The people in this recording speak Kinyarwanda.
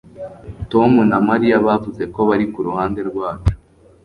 Tom na Mariya bavuze ko bari ku ruhande rwacu